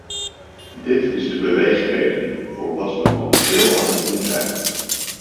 Dit is de beweegreden voor wat we momenteel aan het doen zijn.